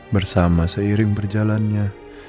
bersama seiring berjalannya